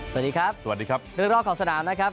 สวัสดีครับสวัสดีครับเรื่องรอบของสนามนะครับ